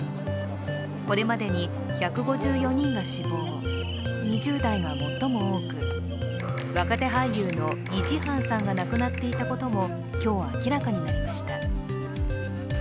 これまでに１５４人が死亡、２０代が最も多く若手俳優のイ・ジハンさんが亡くなっていたことも今日明らかになりました。